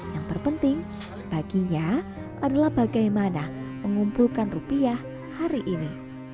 yang terpenting baginya adalah bagaimana mengumpulkan rupiah hari ini